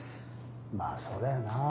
まあそうだよな。